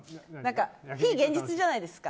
非現実じゃないですか。